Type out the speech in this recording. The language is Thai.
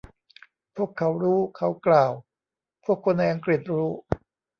พวกเขารู้ เขากล่าว พวกคนในอังกฤษรู้